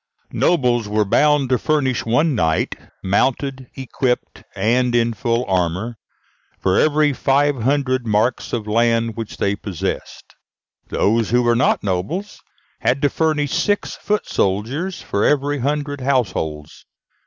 Nobles were bound to furnish one knight mounted, equipped, and in full armour, for every five hundred marks of land which they possessed; those who were not nobles had to furnish six foot soldiers for every hundred households.